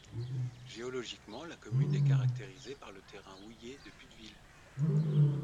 Géologiquement, la commune est caractérisée par le terrain houiller de Putteville.